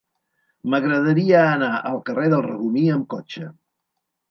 M'agradaria anar al carrer del Regomir amb cotxe.